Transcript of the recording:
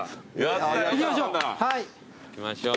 いきましょう！